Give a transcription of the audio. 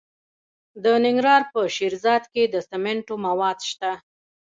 د ننګرهار په شیرزاد کې د سمنټو مواد شته.